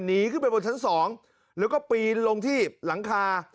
หนีขึ้นไปบนชั้น๒แล้วก็ปีนลงที่หลังคา